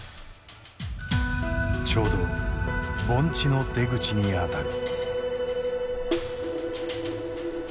ちょうど盆地の出口にあたる。